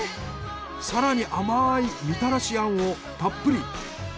更に甘いみたらし餡をたっぷり。